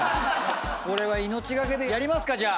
これは命懸けでやりますか！